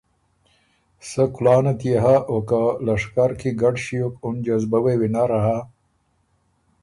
سۀ کُلانه تيې هۀ او که لشکر کی ګډ ݭیوک اُن جذبۀ وې وینر هۀ